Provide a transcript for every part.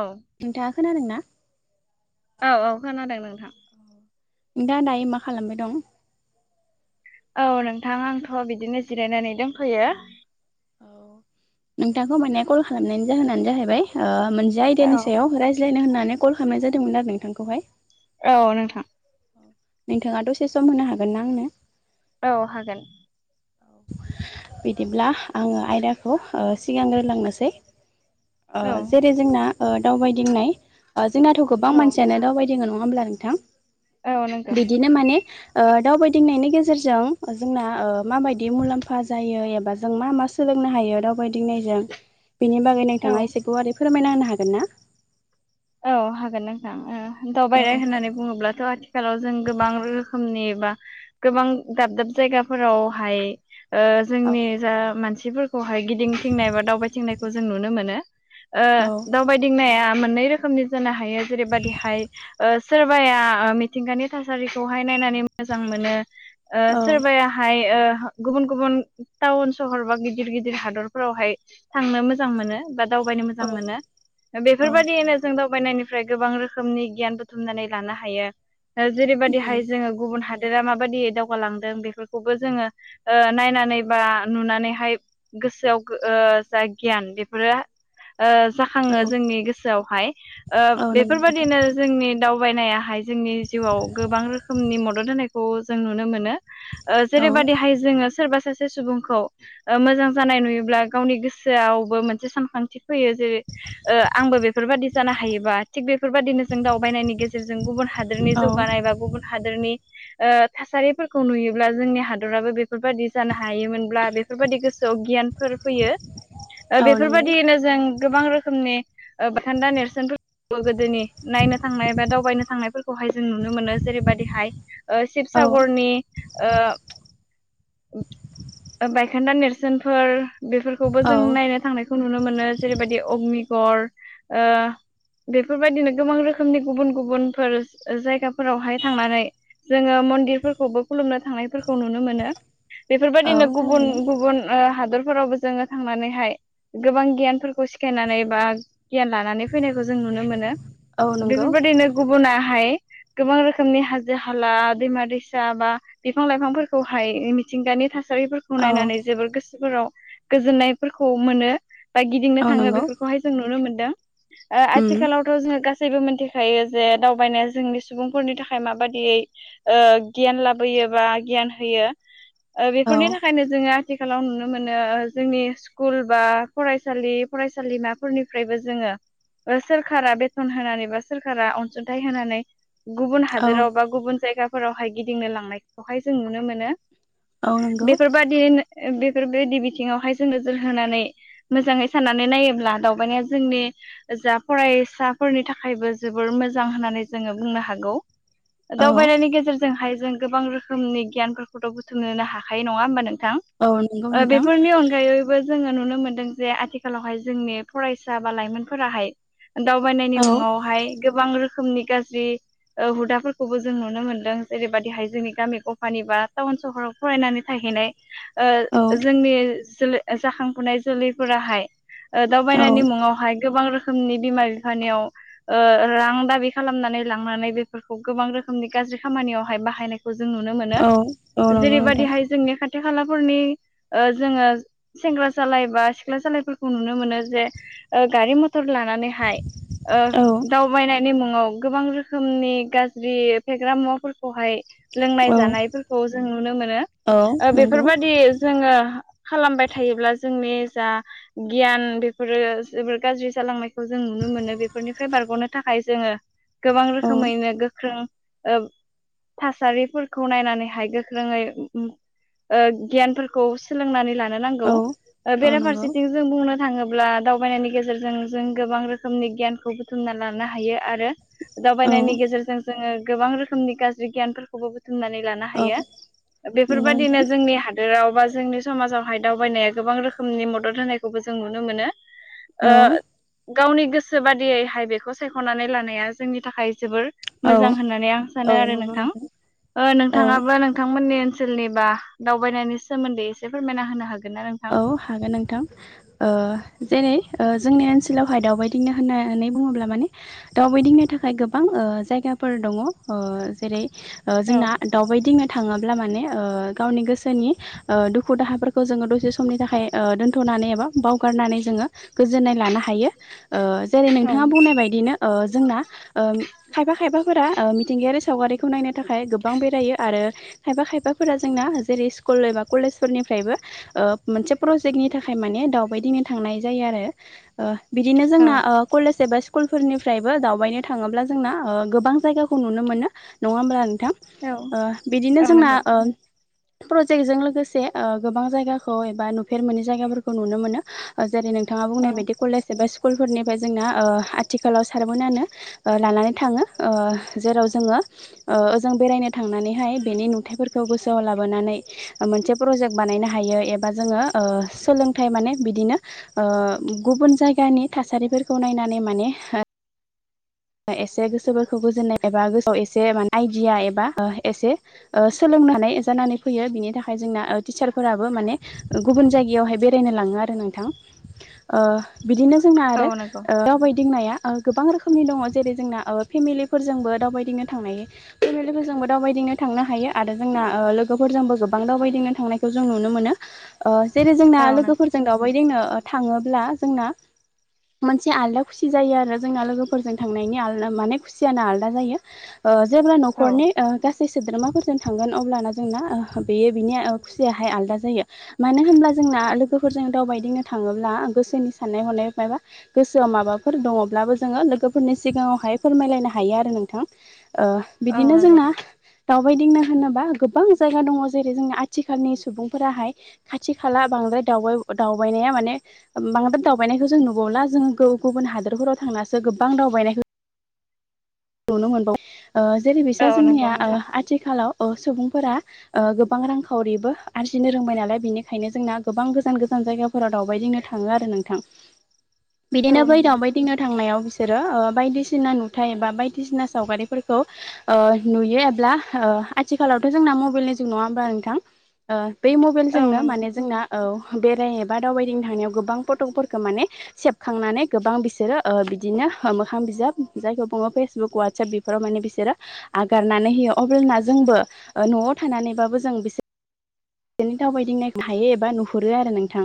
औ नोंथाङा खोनादों ना? औ औ खोनादों नोंथां नोंथाङा दायो मा खालामबाय दं औ नोंथां आंथ' बिदिनो जिरायनानै दोंथ'यो। नोंथांखौ माने कल खालामनायनि जाहोनानो जाहैबाय ओ मोनसे औ आयदानि सायाव रायज्लायनो होनना [unintelligible] कल खालामनाय जादोंमोन आरो नोंथांखौहाय औ नोंथां नोंथाङा दसे सम होनो हागोन ना आंनो औ हागोन औ बिदिब्ला आङो आयदाखौ ओ सिगांग्रोलांनोसै ओ औ जेरै जोंना ओ दावबायदिंनाय ओ जोंनाथ' गोबां औ मानसियानो दावबाय दिङो नङा ओमब्ला नोंथां औ नंगौ बिदिनो माने ओ दावबायदिंनायनि गेजेरजों जोंना ओ माबायदि दि मुलाम्फा जायो एबा जों मा मा सोलोंनो हायो दावबायदिंनायजों बेनि बागै औ। नोंथाङा एसे गुवारै फोरमायना होनो हागोन ना औ हागोन नोंथां ओ औ दावबायरनाय होननानै बुङोब्लाथ' आथिखालाव जों गोबां रोखोम नि बा गोबां दाब दाब जायगाफोरावहाय ओ जोंनि जा मानसि मानसिफोरखौहाय गिदिंथिंनाय बा दावबायथिंनायखौ जों नुनो मोनो ओ औ दावबायदिंनाया मोननै रोखोमनि जानो हायो जेरैबादिहाय ओ सोरबाया मिथिंगानि थासारिखौहाय नायनानै मोजां मोनो। ओ औ सोरबाहाय ओ गुबुन गुबुन टाउन सहर बा गिदिर गिदिर हादरफोरावहाय थांनो मोजां मोनो बा दावबायनो मोजां मोनो औ बेफोरबायदियैनो जों दावबायनायनिफ्राय गोबां रोखोमनि गियान बुथुमनानै लानो हायो उम जेरैबादिहाय जोङो गुबुन हा बिसोरो माबादियै दावगालांदों बेफोरखौबो जोङो ओ नायनानै बा नुनानैहाय गोसोआव गो ओ जा गियान बेफोरो ओ औ जाखांङो जोंनि गोसोआवहाय ओ औ नंगौ नोंथां बेफोरबादिनो जोंनि दावबायनायाहाय जोंनि जिउआव गोबां रोखोमनि मदद होनायखौ जों नुनो मोनो। ओ औ जेरैबादिहाय जोङो सोरबा सासे सुबुंखौ ओ मोजां जानाय नुयोब्ला गावनि गोसोआवबो मोनसे सानखांथि फैयो जे ओ आंबो बेफोरबादि जानो हायोबा थिग बेफोरबादिनो जों दावबायनायनि गेजेरजों गुबुन हादोरनि औ जौगानाय बा गुबुन हादोरनि ओ थासारिफोरखौ नुयोब्ला जोंनि हादराबो बे बेफोरबायदि जानो हायोमोनब्ला बेफोरबायदि गोसोआव गियानफोर फैयो। ओ औ नंगौ बेफोरबादिनो जों गोबां रोखोमनि ओ बायखोन्दा नेरसोनफोरखौ गोदोनि नायनो थांनाय बा दावबायनो थांनायफोर खौहाय जों नुनो मोनो जेरैबादिहाय ओ औ शिबसागरनि ओ बायखोन्दा नेरसोनफोर बेफोरखौबो औ जों नायनो थांनायखौ नुनो मोनो। जेरैबायदि अग्णिगर ओ बेफोरबायदिनो गोबां रोखोमनि गुबुन- गुबुनफोर जायगाफोरावहाय थांनानै जोङो मन्दिरफोरखौबो खुलुमनो थांनायफोरखौ नुनो मोनो। औ बेफोरबादिनो गुबुन थारैनो गुबुन ओ हादर [unintelligible] जोङो थांनानैहाय गोबां गियानफोरखौ सिखायनानै बा गियान लानानै फैनायखौ जों नुनो मोनो। औ नंगौ बेफोरबादिनो गुबुुनाहाय गोबां रोखोमनि हाजो-हाला, दैमा-दैसा बा बिफां- लाइफांफोरखौहाय बे मिथिंगानि था थासारिफोरखौ औ नायनानै जोबोर गोसोफोराव गोजोननायफोरखौ मोनो। बा गिदिंनो औ थाङो नंगौ बेफोरखौहाय जों नुनो मोनदों। ओ उम आथिखालावथ' जोङो गासै गासैबो मिन्थिखायो जे दावबायनाया जोंनि सुबुंफोरनि थाखाय माबादियै ओ गियान लाबोयो। जेनबा गियान होयो ओ औ बेफोरनि थाखायनो जोङो आथिखालाव नुनो मोनो जोंनि स्कुल बा फरायसालि फरायसालिमाफोरनिफ्रायबो जोङो ओ सोरखारा बेसेन होनानै बा सोरखारा अनसुंथाइ होनानै। गुबुन औ हादोराव बा गुबुन जायगाफोरावहाय गिदिंनो लांनायखौहाय जों नुनो मोनो। औ नंगौ बेफोरबादियैनो बेफोरबायदि बिथिङावहाय जों नोजोर होनानै मोजाङै साननानै नायोब्ला दावबायनाया जोंनि जा फरायसाफोरनि थाखायबो जोबोर मोजां होननानै जोङो बुंनो हागौ। औ दावबायनायनि गेजेरजोंहाय जों गोबां रोखोमनि गियानफोरखौथ' बुथुमनोनो हाखायो नङा होमबा नों औ नंगौ [unintelligible] ओ नोंथां बेफोरनि अनगायैबो जोङो नुनो मोनो दों जे आथिखालावहाय जोंनि फरायसा बा लाइमोनफोराहाय। दावबायनायनि औ मुंआवहाय गोबां रोखोमनि गाज्रि ओ हुदाफोरखौबो जों नुनो मोनदों। जेरैबादिहाय जोंनि गामि गफानि बा टाउन सहराव फरायनानै [unintelligible] हैनाय औ ओ जोंनि जोलै जाखांफुनाय जोलैफोराहाय ओ औ दावबायनायनि मुङावहाय गोबां रोखोमनि बिमा-बिफानियाव ओ रां दाबि खालामनानै लांनानै बेफोरखौ गोबां रोखोम समनि गाज्रि खामानियावहाय बाहायनायखौ जों नुनो मोनो औ औ नंगौ नोंथां जेरैबायदिहाय जोंनि खा खाथि खालाफोरनि ओ जोंङो सेंग्रा सालाय बा सिख्ला सालायफोरखौ नुनो मोनो जे गारि मथर लानानैहाय ओ औ दावबायनायनि मुं ङाव गोबां रोखोमनि गाज्रि फेग्रा मुवाफोरखौहाय लोंनाय औ जानायफोरखौ जों नुनो मोनो औ ओ नंगौ बेफोरबायदि जोंङो खालामबाय थायो ब्ला जोंनि जा गियान बेफोरो जोबोर गाज्रि जालांनायखौ जों नुनो मोनो बेफोरनिफ्राय बारग'नो थाखाय जोंङो गोबां औ रोखोमैनो गोख्रों ओ थासारिफोरखौ नायनानैहाय गोख्रोंङै ओ गियानफोरखौ सोलोंनानै लानो औ नांगौ औ नंगौ ओबेराफारसेथिं जों बुंनो थांङोब्ला दावउ बायनायनि गेजेरजों जों गोबां रोखोमनि गियानखौ बुथुमना लानो हायो। आरो औ दावबायनायनि गेजेरजों जोंङो गोबां रोखोमनि गाज्रि गियानफोरखौबो मनानै लानो औ हायो नंगौ बेफोरबायदिनो नोंथां जोंनि हादोराव बा जोंनि समाजावहाय दावबायनाया गोबां रोखोमनि मदद होनायखौबो जों नुनो मोनो औ ओ गावनि गोसो बादियैहाय बेखौ सायख'नानै लानाया जोंनि थाखाय जोबोर मोजां औ होननानै आं सानो औ आरो नंगौ नोंथां ओ औ नोंथांङाबो नोंथांमोननि ओनसोलनि बा दावबायनायनि सोमोन्दै एसे फोरमायना होनो हागोन ना नोंथां? औ हागोन नोंथां ओ जेरै ओ जोंनि ओनसोलावहाय दावबायदिंनो होननानै बुंङोब्ला माने दावबायदिंनो थाखाय गोबां ओ जायगाफोर दंङ ओ जेरैओ औ जोंना दावबायदि थांङोब्ला माने ओ गावनि गोसोनि ओ दुुखु दाहफोखौ दसे समनि थाखाय ओ दोन्थ'नानै एबा बावगारनानै जोंङो गोजोननाय लानो हायो ओ जेरै औ नोंथांङा ओबुंनाय बायदिनो ओ जोंना ओ खायफा खायफाफोरा ओ मिथिंगायारि सावगारि खौ नायनो थाखाय गोबां बेरायो आरो खायफा खायफाफोरा जोंना जेरै स्कुल एबा कलेजफोरनिफ्रायबो ओ मोनसे प्रजेकनि थाखाय माने दावबायदिंनो थांनाय जायो आरो ओ बिदिनो औ जोंना ओ कलेज एबा कुलफोरनिफ्रायबो दावबायनो थाङोब्ला जोंना ओ गोबां जायगाखौ नुनो मोनो नङा होमब्ला थां ओ बिदिनो औ जोंना नंगौ ओ प्रजेक्टजों लोगोसे ओ गोबां जायगा खौ एबा नुफेर मोनै जायगाफोरखौ नुनो मोनो ओ जेरै नोंथाङा औ बुंनाय बायदि कलेज एबा सु कुलफोरनिफ्राय जोंना ओ आथिखालाव सारबोनानो ओ लानानै थाङोओ ओ जेराव जोङो ओ ओजों बेरायनो थांनानैहाय बेनि नुथायाइफोरखौ गोसोआव लाबोनानै ओ मोनसे प्रजेक्ट बा बानायनो हायो ए बा जोंङो ओ सोलोंथाइ माने बिदिनो ओ गुबुन जायगानि‌ थासारि फोरखौ नायना नानै माने ओ एसे गोसोफोरखौ गोजोननाय एबा गोसोआव एसे माने आइडिया एबा ओ एसे ओ सोलों [unintelligible] हानाय जानानै फैयो बेनि थाखाय जोंना ओ तिसार फोराबो माने गुबुन जायगायावहाय बे [unintelligible] नो लाङो आरो नोंथां ओ बिदिनो जोंना औ आरो नंगौ ओ दावबायदिंनाया ओ गोबां रोखोमनि दङ' जेरै जोंना ना ओ लोगोफोरजोंबो गोबां दावबायदिंनो थांनायखौ जों नुनो मोनो ओ जेरै जोंना औ नंगौ लोगोफोरजों दावबायदिंनो ओ थाङोब्ला जोंना मोनसे आलदा खुसि जायो आरो जोंना लोगोफोरजों थांनायनि आलदा माने खुसिआनो आलदा जायो औ सोद्रोमाफोरजों आ लो जोंङो लोगो फोरनि सिगाङावहाय फोरमायलायनो हायो आरो नोंथां ओ औ बिदिनो नंगौ जोंना दावबायदिंनो [unintelligible] दावबायनाया माने बांद्राय दावबायनायखौ जों नुुबावला जों गु-गुबुन हादोरफोराव थांनासो गो बां दावबायनायखौ नुनो मोनबावो ओ औ जेरैबायसा नंगौ जोंनिया ओ नोंथां आथिखालाव ओ सुबुंफोरा ओ गोबां रांखावरिबो आरजिनो रोंबाय नालाय बेनिखायनो जोंना गोबां गोजान गोजान जाय [unintelligible] फोराव दावबायदिंनो थाङो आरो नोंथां। [inaudible] औ बिदिनो बै नंगौ दावबायदिंनो थांनायाव बिसोरो दिसना सावगारिफोरखौ ओ नुयो एब्ला ओ आथिखालावथ' जोंना मबेलनि जुग नङा होमबा नोंथां औ नंगौ ओ बे बेराय एबा दावबायदिंनो थांनायाव गोबां पतकफोरखो माने सेबखांनानै गोबां बिसोर ओ मोखां बिजाब जायखौ बुङो बुक वात्साप बेफोराव माने बिसोरो आगारनानै होयो [unintelligible] [unintelligible] [unintelligible] दावबायदिंनाय हायो एबा नुहुरो आरो नोंथां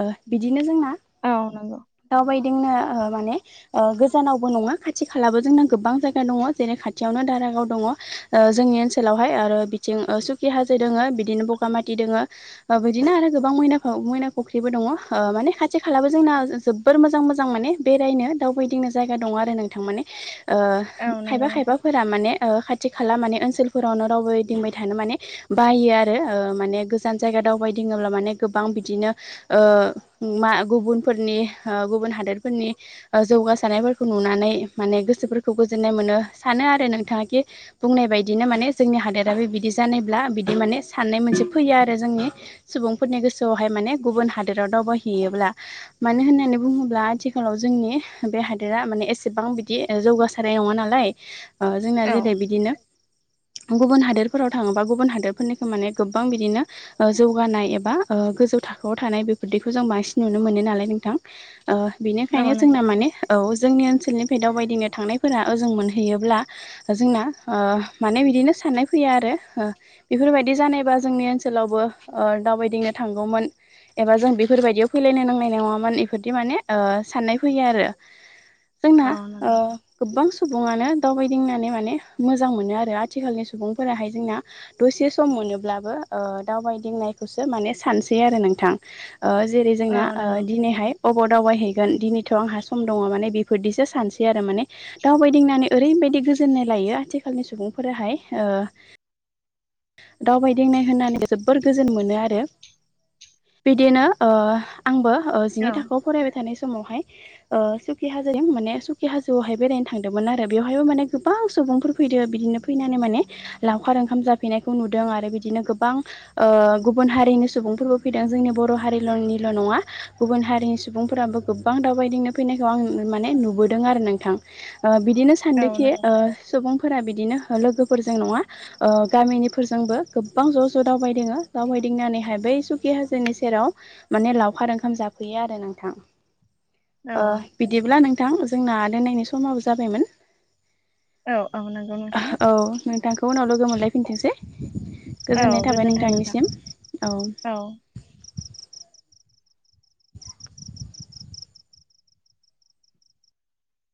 ओ बिदिनो जोंना औ नंगौ दावबायदिंनो ओ माने ओ गोजानावबो नङा खाथि खालाबो जोंनां गोबां जायगा दङ' जेरै खाथियावनो दारागाव दङ' ओ जोंनि ओनसोलावहाय आरो बिथिं ओ सुखि हाजो दोङो बिदिनो बगा थि खालाबो जोंना जोबोर मोजां मोजां माने बेरायनो दावबायदिंनो जायगा दं आरो नोंथां माने। ओ औ खायबा नंगौ नोंथां खायबाफोरा माने ओ खाथि खाला माने ओनसोलफोरावनो रावबोदिंबाय थानो माने बायो आरो ओ माने गोजान जायगा दावबायदिङोब्ला माने गोबां बिदिनो ओ मा गुबुनफोरनि ओ गुबुन हादोर फोरनि ओ जौगासारनायफोरखौ नुनानै माने गोसोफोर खौ गोजोन्नाय मोनो सानो आरो नोंथाङा कि बुंनाय बायदिनो माने जोंनि हादोराबो बिदि जा दि माने साननाय मोनसे फैयो आरो जोंनि मानो होननानै बुङोब्ला आथिखालाव जोंनि बे हादोरा माने एसेबां बिदि ओ जौगा सारनाय नङा नालाय ओ जोंना औ जेरै बिदिनो गुबुन हादोरफोराव थाङोबा गुबुन हादोरफोरनिखौ माने गोबां बिदिनो ओ जौगानाय एबा ओ गो जौ थाखोआव थानाय बेफोरदिखौ जों बांसिन नुनो मोनो नालाय नोंथां। ओ औ बिनिखायनो जोंना नंगौ माने औ जोंनि ओनसोलनिफाय दावबायदिंनो थांनाय फोरा ओजों मोनहैयोब्ला जोंना ओ माने बिदिनो साननाय फैया आरो ओ बेफोरबायदि जानायबा जोंनि ओनसोलावबो ओ दावबायदिंनो थांगौमोन। एबा जों बेफोरबायदियाव फैलायनो नांनाय नङा मोन एफोरदि माने ओ साननाय फैयो आरो। जोंना औ ओ नंगौ। गोबां सुबुङानो दावबायदिंनानै माने मोजां मोनो आरो आथिखालनि सुबुंफोराहाय जोंना दसे सम मोनोब्लाबो ओ दावबायदिंनायखौसो माने सानसै आरो नोंथां। ओ जेरै जोंना औ औ ओ नंगौ दिनैहाय अब दावबायहैगोन दिनैथ' आंहा सम दङ' माने बेफोरदिसो सानसै आरो माने। दावबायदिंनानै ओरैबायदि गोजोन्नाय लायो आथिखालनि सुबुंफोराहाय ओ दावबायदिंनाय होननानै जोबोर गोजोन मोनो आरो। बिदिनो ओ आंबो ओ औ जिनै थाखोआव फरायबाय थानाय समावहाय ओ सुकि हाजोसिम माने सुकि हा जोआवहाय बेरायनो थांदोंमोन आरो बेवहायो माने गोबां सुबुंफोर फैदों बिदिनो फैनानै माने लावखार ओंखाम जाफैनायखौ नुदों आरो बिदिनो गोबां ओ गुबुन हारिनि सुबुंफोरबो फैदों जोंनि बर' हारिलनि निल' नङा गुबुन हारिनि सुबुंफोराबो गोबां दावबायदिंनो फैनायखौ आं माने नुबोदों आरो नों थां ओ बिदिनो सानदोखि ओ सुबुंफोरा बिदिनो ओ लोगोफोरजों नङा ओ गामिनिफोरजोंबो गोबां ज' ज' दावबायदिङो दावबायदिंनानैहाय बे बै सुकि हाजोनि सेराव माने लावखार ओंखाम जाफैयो आरो नोंथां। ओ औ बिदिब्ला नोंथां जोंना दोननायनि समाबो जाबायमोन। औ औ नंगौ नोंथां औ नोंथांखौ उनाव लोगो मोनलायफिनथोंसै। औ गोजोननाय थाबाय गोजोन्थों नोंथां नोंथांनिसिम औ।